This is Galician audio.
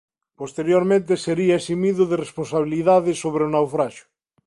Posteriormente sería eximido de responsabilidade sobre o naufraxio.